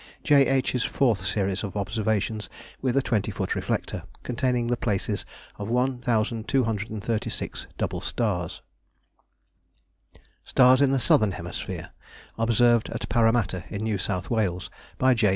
J. H.'s Fourth Series of Observations with a twenty foot Reflector, containing the places of 1236 Double Stars. Stars in the Southern Hemisphere, observed at Paramatta, in New South Wales, by J.